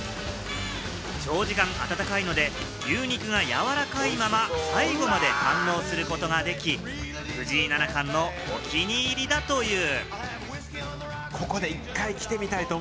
長時間温かいので、牛肉がやわらかいまま最後まで堪能することができ、藤井七冠のお気に入りだという。